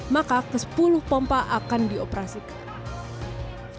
maka ke sepuluh pompa akan dioperasikan